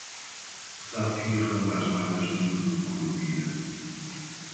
O saci ronda as matas junto do curupira